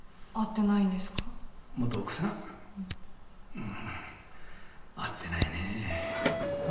うん会ってないねえ。